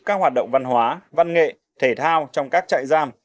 các hoạt động văn hóa văn nghệ thể thao trong các trại giam